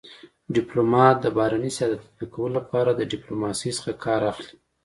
ډيپلومات دبهرني سیاست د تطبيق کولو لپاره د ډيپلوماسی څخه کار اخلي.